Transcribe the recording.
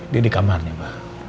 dia dikamarnya pak